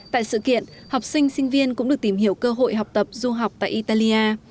tại sự kiện học sinh sinh viên cũng được tìm hiểu cơ hội học tập du học tại italia